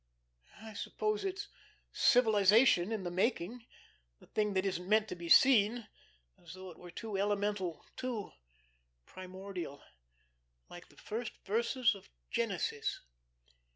I suppose it's civilisation in the making, the thing that isn't meant to be seen, as though it were too elemental, too primordial; like the first verses of Genesis."